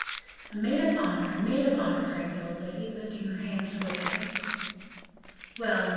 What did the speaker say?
"A maid of honor! a maid of honor!" cried the old lady, lifting her hands towards heaven. "Well!